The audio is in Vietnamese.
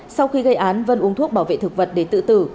sau khi gây án vân uống thuốc bảo vệ thực vật để tự tử